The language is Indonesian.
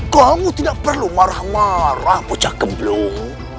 kamu tidak perlu marah marah pocah kembloh